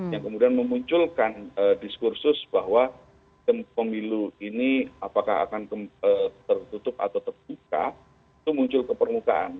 yang kemudian memunculkan diskursus bahwa pemilu ini apakah akan tertutup atau terbuka itu muncul ke permukaan